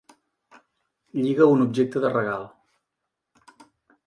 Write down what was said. Lliga un objecte de regal.